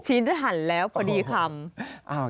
ชิ้นทันแล้วพอดีคำ